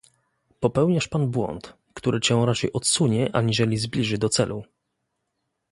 "Popełniasz pan błąd, który cię raczej odsunie aniżeli zbliży do celu."